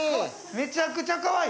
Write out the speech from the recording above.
めちゃくちゃかわいい！